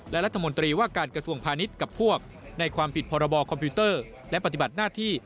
และรัฐมนตรีว่าการกระทรวงพาณิชย์กับพวกในความผิดพรบคอมพิวเตอร์และปฏิบัติหน้าที่